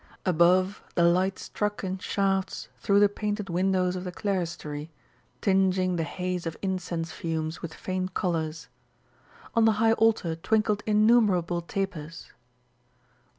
Above, the light struck in shafts through the painted windows of the clerestory, tinging the haze of incense fumes with faint colours. On the high altar twinkled innumerable tapers.